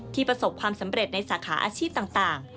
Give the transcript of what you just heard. ประสบความสำเร็จในสาขาอาชีพต่าง